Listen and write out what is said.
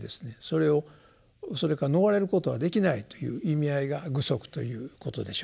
それをそれから逃れることはできないという意味合いが具足ということでしょう。